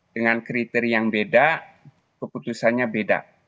dengan kriteria yang beda keputusannya beda